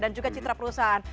dan juga citra perusahaan